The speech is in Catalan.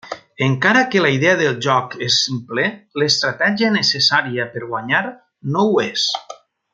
Encara que la idea del joc és simple, l'estratègia necessària per guanyar no ho és.